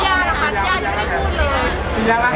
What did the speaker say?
ยาจะไม่ได้พูดเลย